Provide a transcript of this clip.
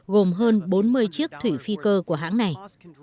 gồm hơn bốn mươi chiếc thủy phi cơ của hãng này